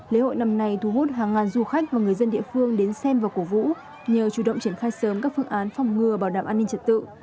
lễ hội năm nay thu hút hàng ngàn du khách và người dân địa phương đến xem và cổ vũ nhờ chủ động triển khai sớm các phương án phòng ngừa bảo đảm an ninh trật tự